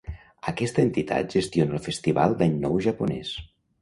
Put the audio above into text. Aquesta entitat gestiona el festival d'any nou japonès.